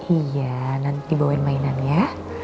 iya nanti dibawain mainan ya